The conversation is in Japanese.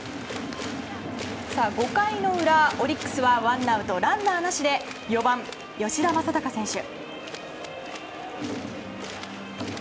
５回の裏、オリックスはワンアウト、ランナーなしで４番、吉田正尚選手。